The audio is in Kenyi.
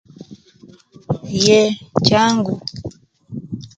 Iye changu